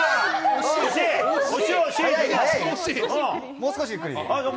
もう少しゆっくりで。